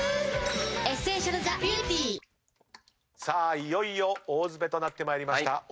さあ大詰めとなってまいりました